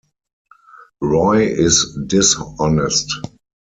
Roy is dishonest.